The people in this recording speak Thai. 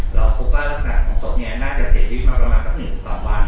เราคิดว่ารักษณะของศพน่าจะเสียดิจมาประมาเมื่อสัก๑๒วัน